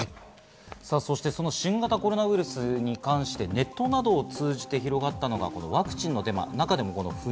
そして、その新型コロナウイルスに関してネットなどを通じて広がったのがワクチンのデマ。